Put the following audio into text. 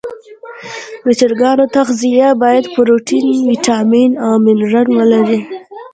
د چرګانو تغذیه باید پروټین، ویټامین او منرال ولري.